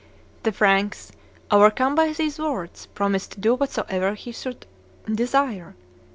The Franks, overcome by these words, promised to do whatsoever he should desire.